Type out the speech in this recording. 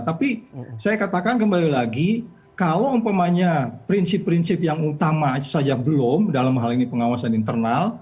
tapi saya katakan kembali lagi kalau umpamanya prinsip prinsip yang utama saja belum dalam hal ini pengawasan internal